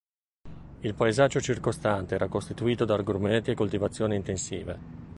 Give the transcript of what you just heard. Il paesaggio circostante era costituito da agrumeti e coltivazioni intensive.